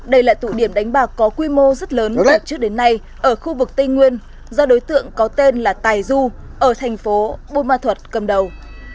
đây là tụ điểm đánh bạc có quy mô rất lớn từ trước đến nay ở khu vực tây nguyên do đối tượng có tên là tài du ở thành phố bô ma thuật cầm đầu